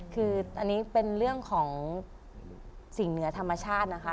คืออันนี้เป็นเรื่องของสิ่งเหนือธรรมชาตินะคะ